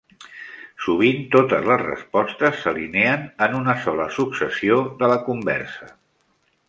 Sovint totes les respostes s'alineen en una sola successió de la conversa.